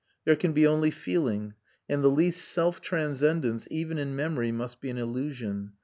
There can be only feeling; and the least self transcendence, even in memory, must be an illusion.